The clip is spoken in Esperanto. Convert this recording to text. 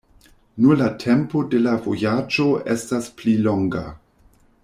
Nur la tempo de la vojaĝo estas pli longa.